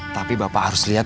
tapi bapak harus lihat